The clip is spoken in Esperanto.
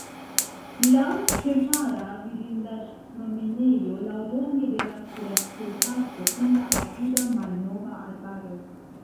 La ĉemara vidindaĵ-promenejo laŭlonge de la Kuracej-parko kun la apuda malnova arbaro.